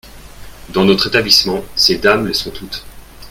Dans notre établissement, ces dames le sont toutes.